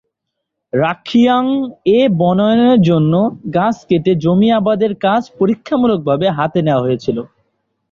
রাংখিয়াং-এ বনায়নের জন্য গাছ কেটে জমি আবাদের কাজ পরীক্ষামূলকভাবে হাতে নেওয়া হয়েছিল।